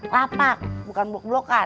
lapak bukan blok blokan